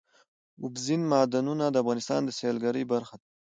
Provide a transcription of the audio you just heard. اوبزین معدنونه د افغانستان د سیلګرۍ برخه ده.